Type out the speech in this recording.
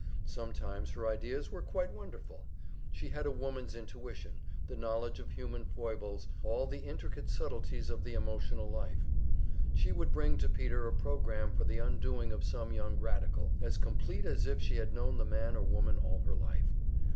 Sometimes her ideas were quite wonderful. She had a woman's intuition, the knowledge of human foibles, all the intricate subtleties of the emotional life; she would bring to Peter a program for the undoing of some young radical, as complete as if she had known the man or woman all her life.